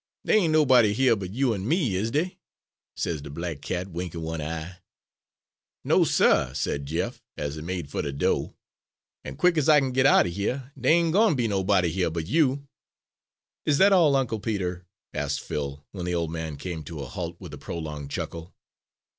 "'Dey ain' nobody hyuh but you an' me, is dey?' sez de black cat, winkin' one eye. "'No, suh,' sez Jeff, as he made fer de do', 'an' quick ez I kin git out er hyuh, dey ain' gwine ter be nobody hyuh but you!'" "Is that all, Uncle Peter?" asked Phil, when the old man came to a halt with a prolonged chuckle.